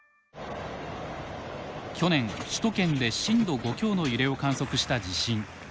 去年首都圏で震度５強の揺れを観測した地震。